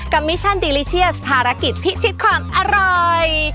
มิชันดีลิเชียสภารกิจพิชิตความอร่อย